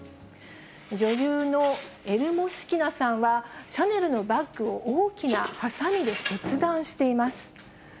女優のエルモシキナさんは、シャネルのバッグを大きなはさみで切断しています。